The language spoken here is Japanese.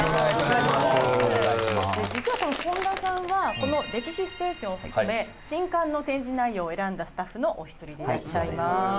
実は誉田さんはこの歴史ステーションを含め新館の展示内容を選んだスタッフのお一人でいらっしゃいます。